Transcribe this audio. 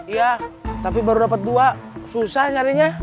iya tapi baru dapat dua susah nyarinya